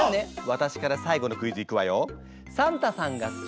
私から最後のクイズいくわよ。